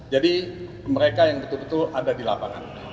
jadi mereka yang betul betul ada di lapangan